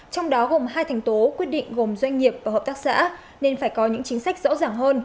trong đó gồm hai thành tố quyết định gồm doanh nghiệp và hợp tác xã nên phải có những chính sách rõ ràng hơn